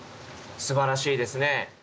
すばらしいですね。